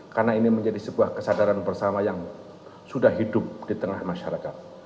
karena ini menjadi sebuah kesadaran bersama yang sudah hidup di tengah masyarakat